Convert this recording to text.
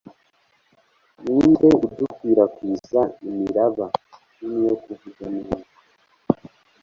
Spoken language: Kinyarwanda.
ninde udukwirakwiza imiraba nini yo kuvuga neza